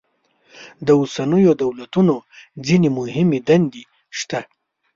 د اوسنیو دولتونو ځینې مهمې دندې شته.